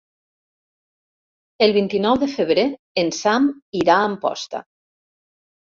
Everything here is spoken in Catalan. El vint-i-nou de febrer en Sam irà a Amposta.